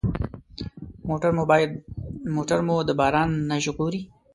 موټر مو د باران نه ژغوري.